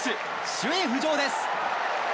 首位浮上です。